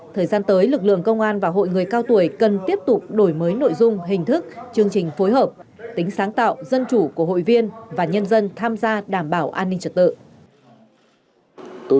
thời gian tới lực lượng công an và hội người cao tuổi cần tiếp tục đổi mới nội dung hình thức chương trình phối hợp tính sáng tạo dân chủ của hội viên và nhân dân tham gia đảm bảo an ninh trật tự